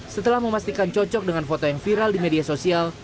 setelah memastikan cocok dengan foto yang viral di media sosial